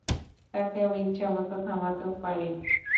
তাকে আমি ইচ্ছেমতো থামাতেও পারিনি।